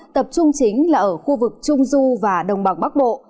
tập trung chính là ở khu vực trung du và đồng bằng bắc bộ